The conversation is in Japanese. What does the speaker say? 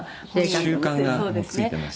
「習慣がついています」